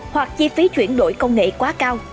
hoặc chi phí chuyển đổi công nghệ quá cao